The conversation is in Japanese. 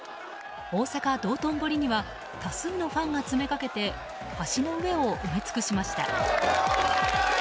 大阪・道頓堀には多数のファンが詰めかけて橋の上を埋め尽くしました。